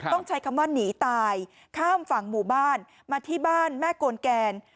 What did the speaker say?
ต้องใช้คำว่าหนีตายข้ามฝั่งหมู่บ้านมาที่บ้านแม่โกนแกน